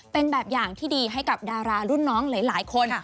เป็นแบบอย่างที่ดีให้กับดารารุ่นน้องหลายคน